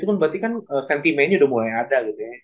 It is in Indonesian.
berarti kan sentimennya udah mulai ada gitu ya